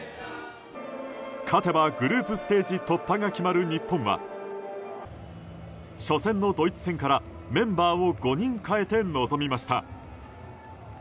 勝てばグループステージ突破が決まる日本は初戦のドイツ戦からメンバーを５人変えて臨みました。